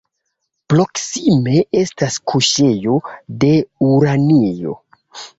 Proksime estas kuŝejo de uranio.